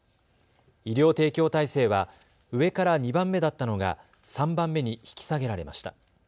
医療提供体制は上から２番目だったのが３番目に引き下げられました。